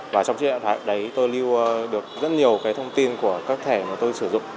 và trong chiếc điện thoại đấy tôi lưu được rất nhiều cái thông tin của các thẻ mà tôi sử dụng